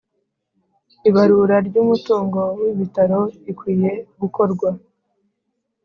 Ibarura ry umutungo w ibitaro ikwiye gukorwa